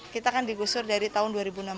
kita kan digusur dari tahun dua ribu enam belas